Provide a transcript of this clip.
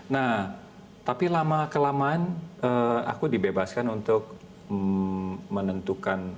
nah tapi lama kelamaan aku dibebaskan untuk menentukan